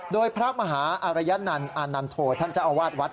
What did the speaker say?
โดยพระมหาอารยนันต์อานันโทท่านเจ้าอาวาสวัด